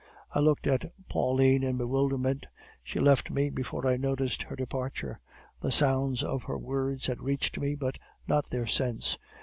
"I looked at Pauline in bewilderment. She left me before I noticed her departure; the sound of her words had reached me, but not their sense.